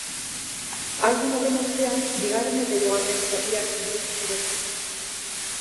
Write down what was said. Album horren ostean, bigarren eta hirugarren zatiak iritsi ziren.